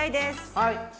はい。